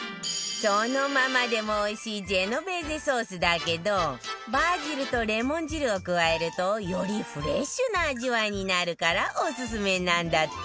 そのままでもおいしいジェノベーゼソースだけどバジルとレモン汁を加えるとよりフレッシュな味わいになるからオススメなんだって